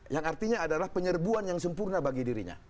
yang artinya adalah penyerbuan yang sempurna bagi dirinya